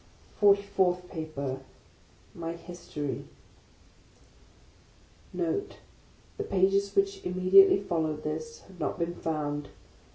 FORTY FOURTH PAPER MY HISTORY [NOTE. The pages which immediately followed this have not been found.